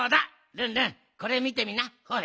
ルンルンこれみてみなほれ。